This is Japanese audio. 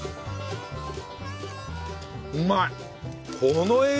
うまい！